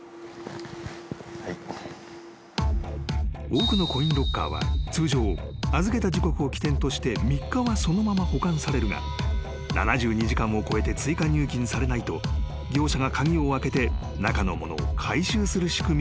［多くのコインロッカーは通常預けた時刻を起点として３日はそのまま保管されるが７２時間を超えて追加入金されないと業者が鍵を開けて中のものを回収する仕組みになっている］